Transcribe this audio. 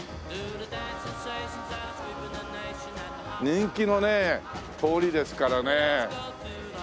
人気のね通りですからね。